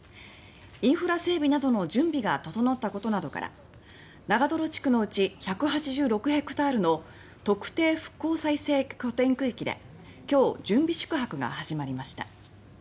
インフラ整備などの準備が整ったことなどから長泥地区のうち１８６ヘクタールの特定復興再生拠点区域で今日準備宿泊が始まりました。